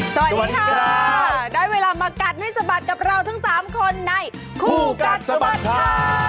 สวัสดีค่ะได้เวลามากัดให้สะบัดกับเราทั้ง๓คนในคู่กัดสะบัดข่าว